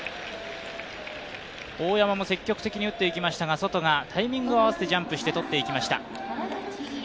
大山も積極的に打っていきましたがソトがタイミングを合わせてジャンプしてとっていきました。